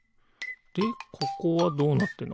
でここはどうなってるのかな？